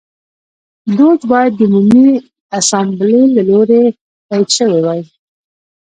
دوج باید د عمومي اسامبلې له لوري تایید شوی وای